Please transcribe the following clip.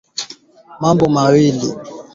Mambo ya ba nkuku iko na leta shida ndani ya barimaji